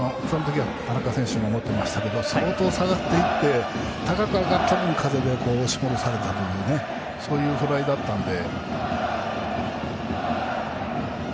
たぶんその時は田中選手も守っていましたが相当下がっていって高く上がったのに風で押し戻されたというフライだったんで。